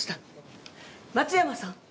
松山さん